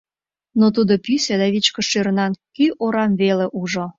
Но тудо пӱсӧ да вичкыж шӧрынан кӱ орам веле ужо.